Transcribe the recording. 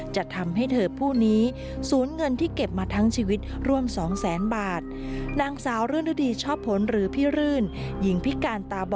เจาะประเด็นจากรายงานของคุณบงกฎช่วยนิ่มครับ